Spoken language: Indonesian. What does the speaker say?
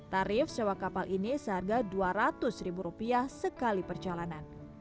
tarif sewa kapal ini seharga dua ratus ribu rupiah sekali perjalanan